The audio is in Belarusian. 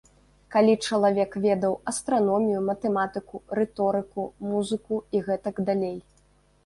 Калі чалавек ведаў астраномію, матэматыку, рыторыку, музыку і гэтак далей.